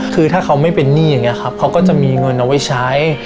คือถ้าเขาไม่เป็นหนี้อย่างนี้ครับเขาก็จะมีเงินเอาไว้ใช้